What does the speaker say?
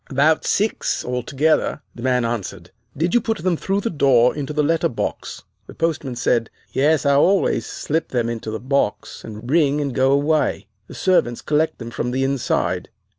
"'About six altogether,' the man answered. "'Did you put them through the door into the letter box!' "The postman said, 'Yes, I always slip them into the box, and ring and go away. The servants collect them from the inside.